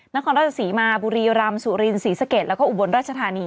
นครราชศรีมาบุรีรำสุรินศรีสะเกดแล้วก็อุบลราชธานี